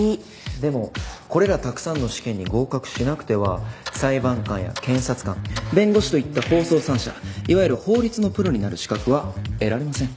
でもこれらたくさんの試験に合格しなくては裁判官や検察官弁護士といった法曹三者いわゆる法律のプロになる資格は得られません。